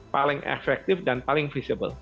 paling efektif dan paling visible